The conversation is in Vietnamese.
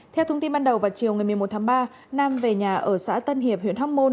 theo thông tin ban đầu vào chiều ngày một mươi một tháng ba nam về nhà ở xã tân hiệp huyện hóc môn